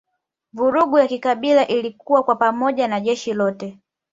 Vurugu ya kikabila ilikua kwa pamoja na jeshi lote